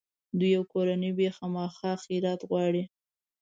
دوی او کورنۍ به یې خامخا خیرات غواړي.